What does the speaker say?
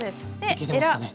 焼けてますかね。